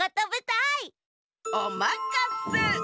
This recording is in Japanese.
おまかせ。